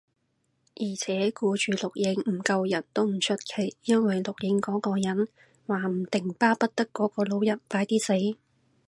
而且，顧住錄影唔救人，都唔出奇，因為錄影嗰個人話唔定巴不得嗰個老人快啲死